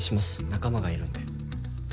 仲間がいるんで。